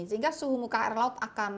sehingga suhu muka air laut itu lebih tinggi